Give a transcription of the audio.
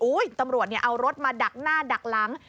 ตำรวจเอารถมาดักหน้าดักหลัง